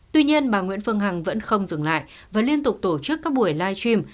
tuy nhiên bà nguyễn phương hằng vẫn không dừng lại và liên tục tổ chức các buổi livestream